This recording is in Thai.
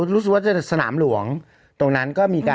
รู้สึกว่าสหนามหลวงตรงนั้น